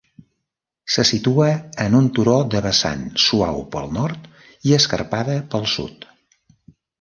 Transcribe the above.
Se situa en un turó de vessant suau pel nord i escarpada pel sud.